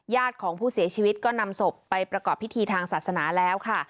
ของผู้เสียชีวิตก็นำศพไปประกอบพิธีทางศาสนาแล้วค่ะ